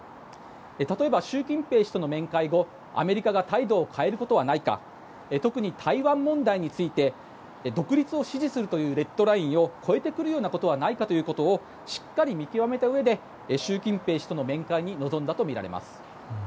例えば、習近平氏との面会後アメリカが態度を変えることはないか特に台湾問題について独立を支持するというレッドラインを超えてくるようなことはないかということをしっかり見極めたうえで習近平氏との面会に臨んだとみられます。